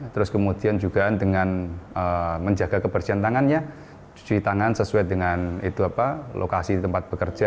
terus kemudian juga dengan menjaga kebersihan tangannya cuci tangan sesuai dengan lokasi tempat bekerja